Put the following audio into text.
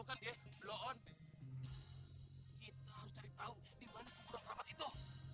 kita harus cari tahu dimana kuburan kramat itu